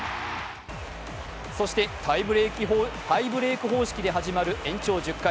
そしてタイブレーク方式で始まる延長１０回。